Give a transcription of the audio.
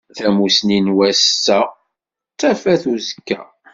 Tamusni n wass-a d tafat n uzekka